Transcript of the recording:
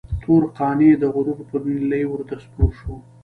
تور قانع د غرور پر نيلي ورته سپور شو.